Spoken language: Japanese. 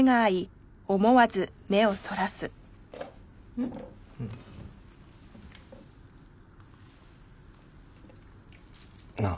ううん。なあ。